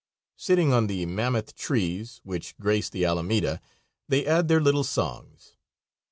Sitting on the mammoth trees, which grace the alameda, they add their little songs.